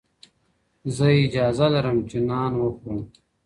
زه اجازه لرم چي نان وخورم